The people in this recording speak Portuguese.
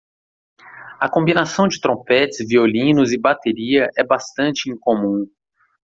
A combinação de trompetes, violinos e bateria é bastante incomum.